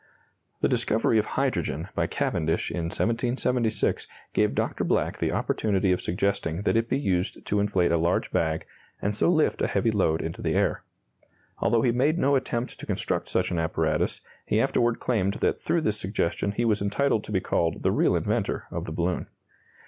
The discovery of hydrogen by Cavendish in 1776 gave Dr. Black the opportunity of suggesting that it be used to inflate a large bag and so lift a heavy load into the air. Although he made no attempt to construct such an apparatus, he afterward claimed that through this suggestion he was entitled to be called the real inventor of the balloon.